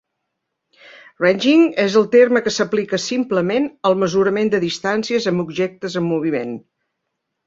Ranging és el terme que s'aplica simplement al mesurament de distàncies amb objectes en moviment.